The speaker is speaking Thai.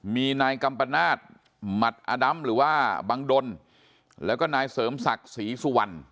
มีนายกัมปนาศหมัดอดำหรือว่าบังดลแล้วก็นายเสริมศักดิ์ศรีสุวรรณ